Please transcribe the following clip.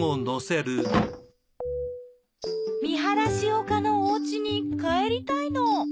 見晴らし丘のおうちに帰りたいの。